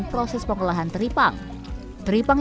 kepala kepala kepala kepala kepala kepala kepala loh casteor